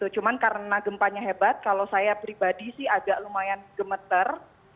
cuma karena gempanya hebat kalau saya pribadi sih agak lumayan gemeter